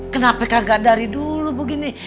kenapa kagak dari dulu begini